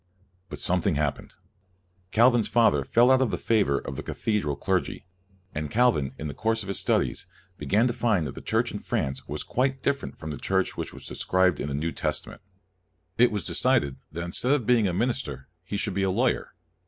But something happened. Calvin's father fell out of the favor of the cathe dral clergy, and Calvin, in the course of his studies, began to find that the Church ioo CALVIN in France was quite different from the Church which was described in the New Testament. It was decided that instead of being a minister, he should be a lawyer.